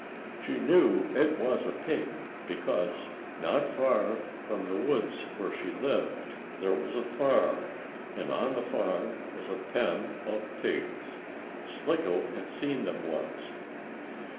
She knew it was a pig, because, not far from the woods where she lived, there was a farm, and on the farm was a pen of pigs. Slicko had seen them once.